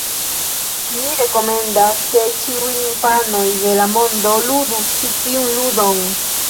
Mi rekomendas ke ĉiuj infanoj de la mondo ludu ĉi tiun ludon!